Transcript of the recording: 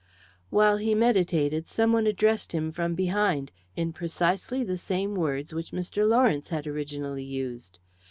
While he meditated some one addressed him from behind, in precisely the same words which Mr. Lawrence had originally used.